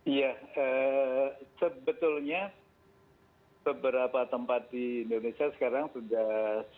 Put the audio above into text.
iya sebetulnya beberapa tempat di indonesia sekarang sudah